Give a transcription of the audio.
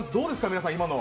皆さん、今の。